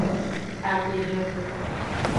Amehenxu.